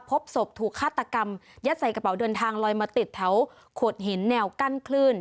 พบศพถูกฆาตกรรมยัดใส่กระเป๋าเดินทางลอยมาติดแถวโขดหินแนวกั้นคลื่น